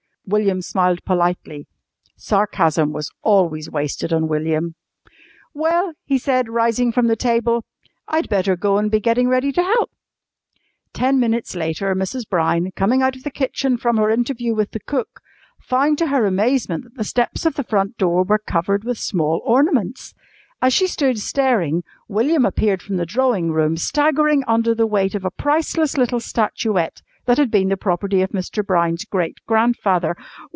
William smiled politely. Sarcasm was always wasted on William. "Well," he said, rising from the table, "I'd better go an' be gettin' ready to help." Ten minutes later Mrs. Brown, coming out of the kitchen from her interview with the cook, found to her amazement that the steps of the front door were covered with small ornaments. As she stood staring William appeared from the drawing room staggering under the weight of a priceless little statuette that had been the property of Mr. Brown's great grandfather.